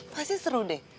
pasti seru deh